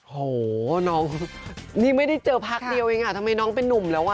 โหน้องนี่ไม่ได้เจอพักเดียวเองอ่ะทำไมน้องเป็นนุ่มแล้วอ่ะ